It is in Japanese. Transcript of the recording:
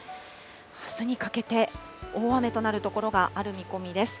あすにかけて大雨となる所がある見込みです。